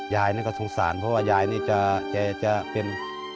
นั่นก็สงสารเพราะว่ายายนี่แกจะเป็น